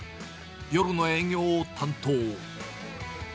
夜の営業を担当。